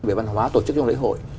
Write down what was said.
về văn hóa tổ chức trong lễ hội